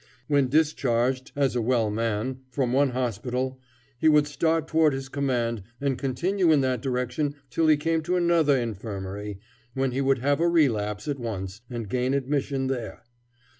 When discharged, as a well man, from one hospital, he would start toward his command, and continue in that direction till he came to another infirmary, when he would have a relapse at once, and gain admission there.